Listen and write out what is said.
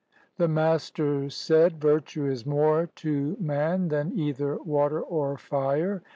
The Master said, " Virtue is more to man than either water or fire.